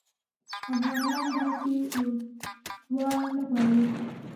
افغانان داسي اردوه نه غواړي